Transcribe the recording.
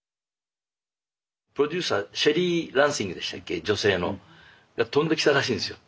プロデューサーシェリー・ランシングでしたっけ女性の。が飛んできたらしいんですよ。